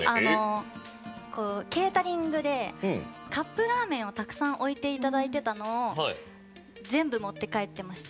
ケータリングでカップラーメンをたくさん置いていただいていたのを全部持って帰ってました。